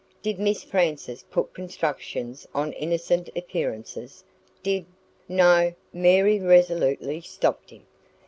Did Miss Frances put constructions on innocent appearances? Did " "No," Mary resolutely stopped him.